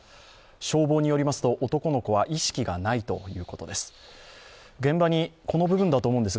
消防によりますと、男の子は意識がないということです。